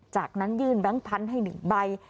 จากนั้นยื่นแบงค์พันธุ์ให้๑ใบ